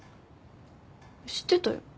知ってたよ。